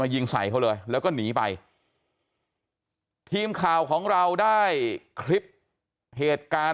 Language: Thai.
ยิงใส่เขาเลยแล้วก็หนีไปทีมข่าวของเราได้คลิปเหตุการณ์